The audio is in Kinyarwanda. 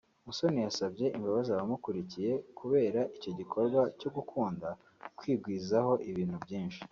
Musoni yasabye imbabazi abamukuriye kubera icyo gikorwa cyo gukunda kwigwizaho ibintu byinshi